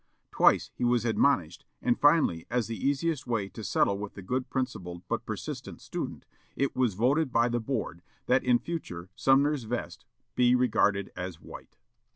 Twice he was admonished, and finally, as the easiest way to settle with the good principled but persistent student, it was voted by the board, "that in future Sumner's vest be regarded as white!"